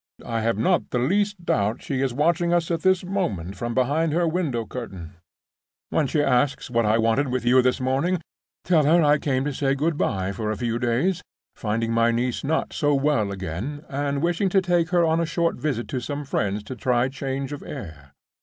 I have not the least doubt she is watching us at this moment from behind her window curtain. When she asks what I wanted with you this morning, tell her I came to say good by for a few days, finding my niece not so well again, and wishing to take her on a short visit to some friends to try change of air.